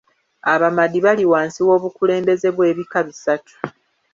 Abamadi bali wansi w'obukulembeze bw'ebika ebisatu.